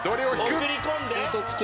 送り込んで。